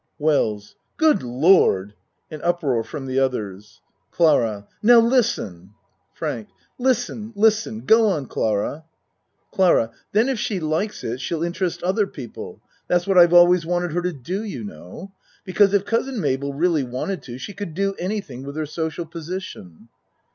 WELLS Good Lord! (An uproar from the oth ers.) CLARA Now, listen! FRANK Listen! Listen! Go on, Clara. CLARA Then if she likes it, she'll interest other people. That's what I've always wanted her to do, you know. Because if Cousin Mabel really wanted to she could do anything with her social po sition.